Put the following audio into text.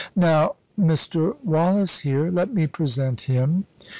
"Now, Mr. Wallace here let me present him.